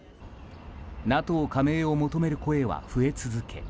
ＮＡＴＯ加盟を求める声は増え続け